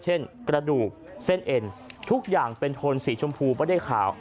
กระดูกเส้นเอ็นทุกอย่างเป็นโทนสีชมพูไม่ได้ขาว